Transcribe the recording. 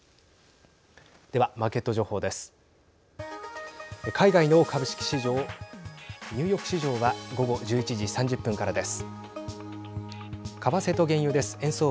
では、マーケット情報です。